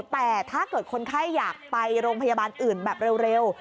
แต่ถ้าเกิดคนไข้อยากไปโรงพยาบาลอื่นแบบเร็ว